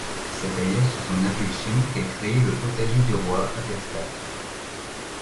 C'est d'ailleurs sous son impulsion qu'est crée le potager du roi à Versailles.